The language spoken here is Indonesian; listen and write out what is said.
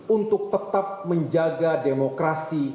untuk tetap menjaga demokrasi